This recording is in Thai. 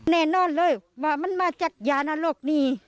แน่นอนเลยว่ามันมาจากยานโรคนี้